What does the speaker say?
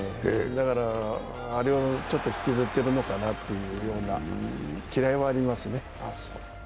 あれをちょっと引きずっているのかなというきらいはありますね。